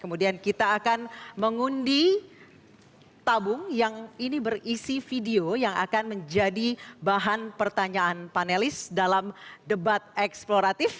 kemudian kita akan mengundi tabung yang ini berisi video yang akan menjadi bahan pertanyaan panelis dalam debat eksploratif